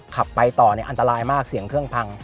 ขับไปต่ออันตรายมากเสียงเครื่องพัง